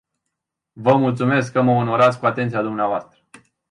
Vă mulțumesc că mă onorați cu atenția dvs.